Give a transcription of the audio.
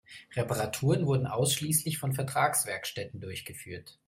Reparaturen wurden ausschließlich von Vertragswerkstätten durchgeführt.